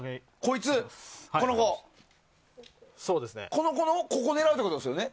この子のタグを狙うってことですね。